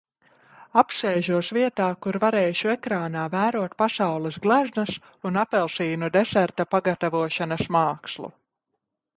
Apsēžos vietā, kur varēšu ekrānā vērot pasaules gleznas un apelsīnu deserta pagatavošanas mākslu.